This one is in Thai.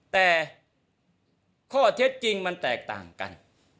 แต่ข้อเท็จจริงมันแตกต่างกัน